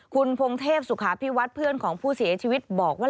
คุณพงเทพสุขาพิวัฒน์เพื่อนของผู้เสียชีวิตบอกว่า